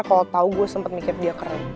kalau tau gue sempet mikir dia keren